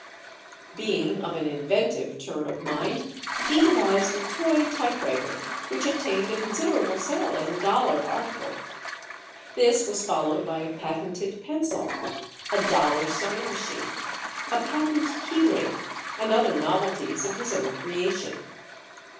Being of an inventive turn of mind, he devised a toy typewriter which attained a considerable sale as a dollar article. This was followed by a patented pencil, a dollar sewing machine, a patent key ring and other novelties of his own creation.